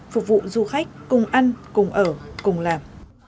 phục vụ du khách cùng ăn cùng ở cùng làm